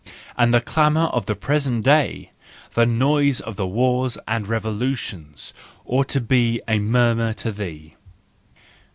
And the clamour of the present day, the noise of wars and revolutions, ought to be a murmur to thee!